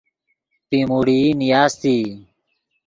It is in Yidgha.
پیموڑئی نیاستئی